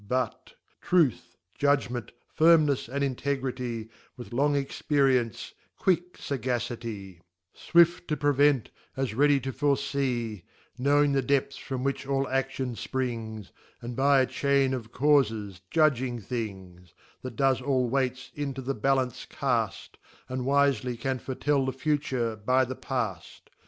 But — Truths Judgment^ Firmnejs, and Integrity, With long experience, quic\fagacity, Swift to prevent, as ready t^forefee \ Knowing the depths from which all aStion fprings, And by a Chain of caufes judging things : That dees all weights into the ballance cafr y And wifely can fore tell the future, by the pajl.